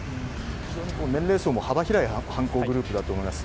非常に年齢層も幅広い犯行グループだと思います。